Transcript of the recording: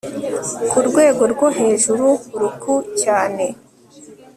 ku rwego rwo hejuru ruku cyane